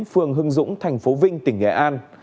phường hưng dũng tp vinh tỉnh nghệ an